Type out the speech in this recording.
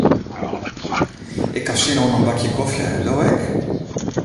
Ik haw sin oan in bakje kofje, do ek?